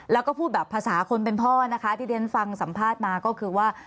แล้วก็พูดแบบภาษาคนเป็นพ่อนะคะที่เรียนฟังสัมภาษณ์มาก็คือว่า